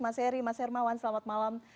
mas eri mas hermawan selamat malam